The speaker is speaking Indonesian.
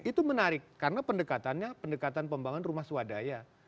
itu menarik karena pendekatannya pendekatan pembangunan rumah swadaya